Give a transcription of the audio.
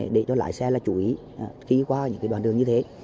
để cho lái xe chú ý ký qua đoạn đường như thế